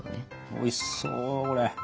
おいしそうこれ！いや。